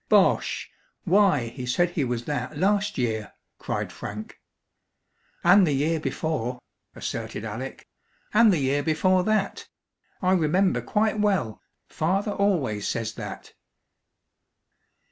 "Bosh! Why, he said he was that last year!" cried Frank. "And the year before," asserted Alec; "and the year before that I remember quite well. Father always says that."